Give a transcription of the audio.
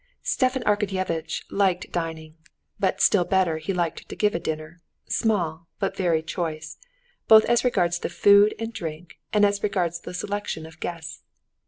Stepan Arkadyevitch liked dining, but still better he liked to give a dinner, small, but very choice, both as regards the food and drink and as regards the selection of guests.